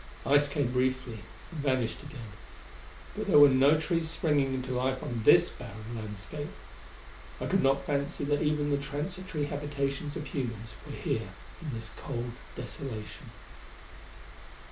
Ice came briefly, and vanished again. But there were no trees springing into life on this barren landscape. I could not fancy that even the transitory habitations of humans were here in this cold desolation.